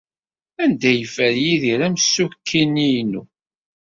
Anda ay yeffer Yidir amsukki-inu?